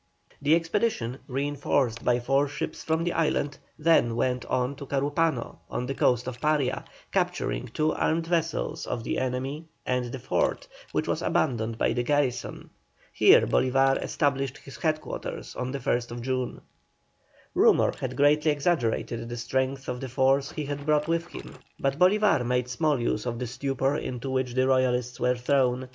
The expedition, reinforced by four ships from the island, then went on to Carupano, on the coast of Paria, capturing two armed vessels of the enemy and the fort, which was abandoned by the garrison. Here Bolívar established his head quarters on the 1st June. Rumour had greatly exaggerated the strength of the force he brought with him, but Bolívar made small use of the stupor into which the Royalists were thrown.